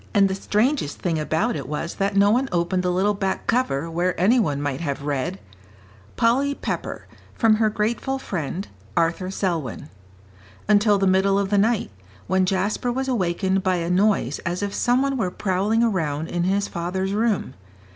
And the strangest thing about it was that no one opened the little back cover where any one might have read: "Polly Pepper, from her grateful friend, Arthur Selwyn." until the middle of the night, when Jasper was awakened by a noise as if some one were prowling around in his father's room.